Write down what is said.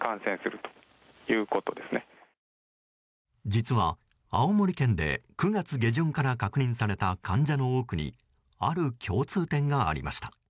実は青森県で９月下旬から確認された患者の多くにある共通点がありました。